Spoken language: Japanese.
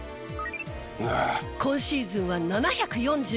今シーズンは７４５点。